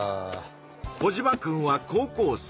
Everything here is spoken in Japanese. コジマくんは高校生。